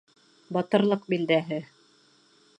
Батырлыҡ билдәһе.